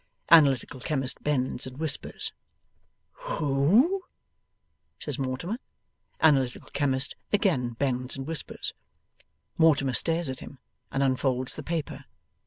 Analytical Chemist bends and whispers. 'WHO?' Says Mortimer. Analytical Chemist again bends and whispers. Mortimer stares at him, and unfolds the paper.